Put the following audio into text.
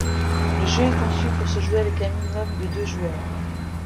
Le jeu est conçu pour se jouer avec un minimum de deux joueurs.